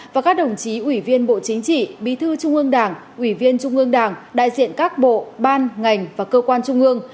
và các đồng chí ủy viên bộ chính trị bí thư trung ương đảng ủy viên trung ương đảng đại diện các bộ ban ngành và cơ quan trung ương